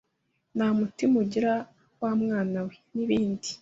nta mutima ugira wa mwana we, n’ibindi.